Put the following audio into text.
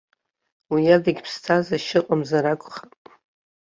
Уи адагьы ԥсҭазаашьа ыҟамзар акәхап.